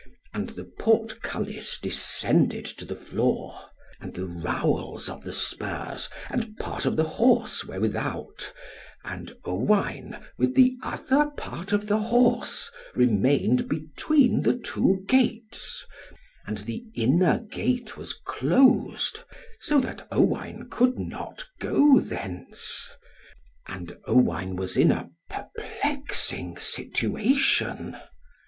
And the portcullis descended to the floor. And the rowels of the spurs and part of the horse were without, and Owain, with the other part of the horse remained between the two gates, and the inner gate was closed, so that Owain could not go thence; and Owain was in a perplexing situation.